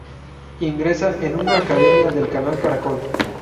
Ingresa en una academia del canal Caracol.